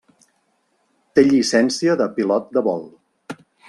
Té llicència de pilot de vol.